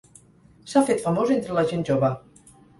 S'ha fet famós entre la gent jove.